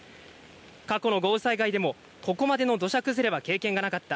過去の豪雨災害でもここまでの土砂崩れは経験はなかった。